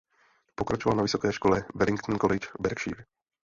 Pokračoval na vysoké škole "Wellington College" v Berkshire.